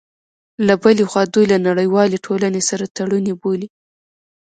له بلې خوا، دوی له نړیوالې ټولنې سره تړوني بولي